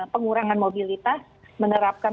pengurangan mobilitas menerapkan